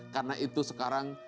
karena itu sekarang